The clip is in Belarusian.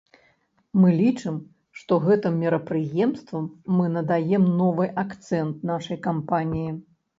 Мы лічым, што гэтым мерапрыемствам мы надаем новы акцэнт нашай кампаніі.